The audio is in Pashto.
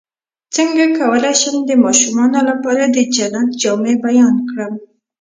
څنګه کولی شم د ماشومانو لپاره د جنت جامې بیان کړم